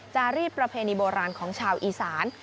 จารีสประเพณีโบราณของชาวอีสาน